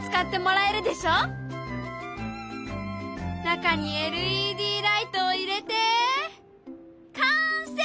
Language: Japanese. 中にＬＥＤライトを入れて完成！